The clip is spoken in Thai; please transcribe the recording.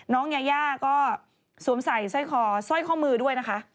น้องยาย่าก็สวมใส่ซ่อยข้อมือด้วยนะคะ